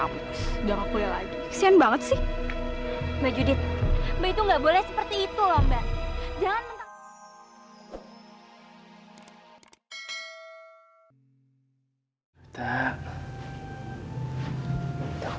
mbak aku bangun dulu lah